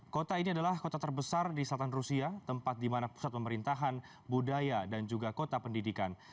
kota ini adalah kota terbesar di selatan rusia tempat di mana pusat pemerintahan budaya dan juga kota pendidikan